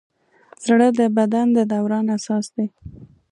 زړه د بدن د دوران اساس دی.